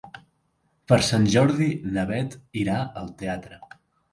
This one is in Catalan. Per Sant Jordi na Beth irà al teatre.